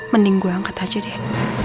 mending gue angkat aja deh